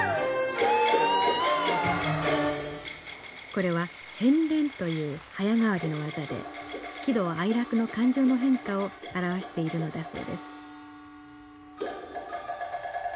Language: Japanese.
これは変面という早変わりの技で喜怒哀楽の感情の変化を表しているのだそうです